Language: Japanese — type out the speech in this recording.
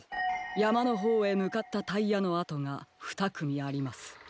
やまのほうへむかったタイヤのあとがふたくみあります。